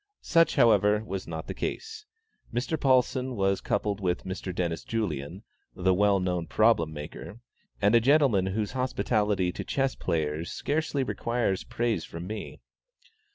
Such, however, was not the case. Mr. Paulsen was coupled with Mr. Dennis Julien, the well known problem maker, and a gentleman whose hospitality to chess players scarcely requires praise from me.